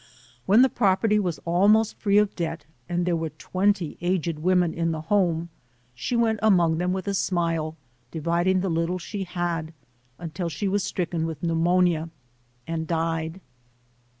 When the property was almost free of debt and there were twenty aged women in the home, she went among them with a smile dividing the little she had, until she was stricken with pneumonia and died.